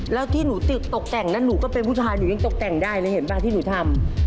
แล้วที่หนูติดตกแต่งนั้นหนูก็เป็นผู้ชายหนูยังตกแต่งได้เลยเห็นป่ะที่หนูทำ